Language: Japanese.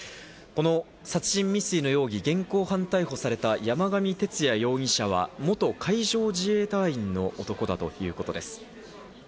この殺人未遂の容疑、現行犯逮捕された山上徹也容疑者は、元海上自衛隊員の男だということです。